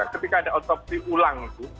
ketika ada otopsi ulang itu